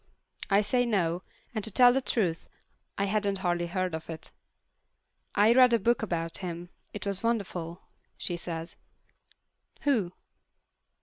I say No, and to tell the truth I hadn't hardly heard of it. "I read a book about him. It was wonderful," she says. "Who?"